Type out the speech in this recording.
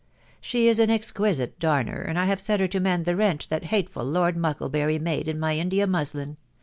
.,.. She is an exquisite darner, and I have set her to rflend the rent that hateful Lord Mucklebury made in my India muslin